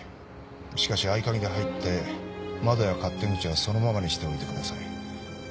しかし合鍵で入って窓や勝手口はそのままにしておいてください。